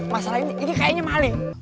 masalah ini ini kayaknya maling